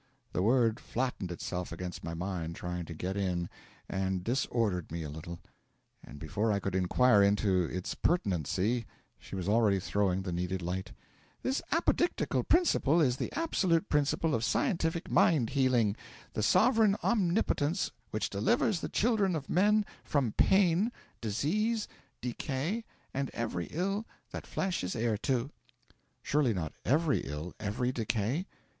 The word flattened itself against my mind trying to get in, and disordered me a little, and before I could inquire into its pertinency, she was already throwing the needed light: 'This Apodictical Principle is the absolute Principle of Scientific Mind healing, the sovereign Omnipotence which delivers the children of men from pain, disease, decay, and every ill that flesh is heir to.' 'Surely not every ill, every decay?'